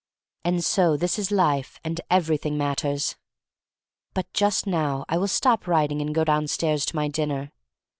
And so this is life, and everything matters. But just now I will stop writing and go downstairs to my dinner.